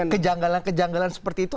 kejanggalan kejanggalan seperti itu